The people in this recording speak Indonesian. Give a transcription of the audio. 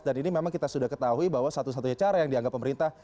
dan ini memang kita sudah ketahui bahwa satu satunya cara yang dianggap pemerintah